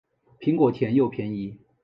苹果甜又便宜